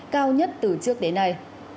cao nhất từ trước đến nay